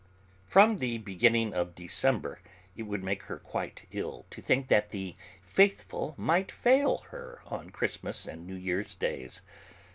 From the beginning of December it would make her quite ill to think that the 'faithful' might fail her on Christmas and New Year's Days.